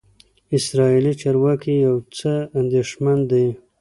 اسرائیلي چارواکي یو څه اندېښمن دي.